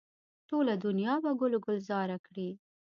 ټوله دنیا به ګل و ګلزاره کړي.